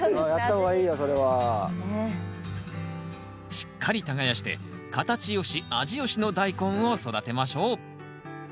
しっかり耕して形よし味よしのダイコンを育てましょう。